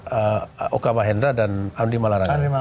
pak okawa hendra dan andi malaraga